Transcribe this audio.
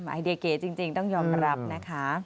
ไอเดียเก๋จริงต้องยอมรับนะคะ